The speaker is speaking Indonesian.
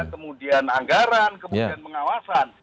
kemudian anggaran kemudian pengawasan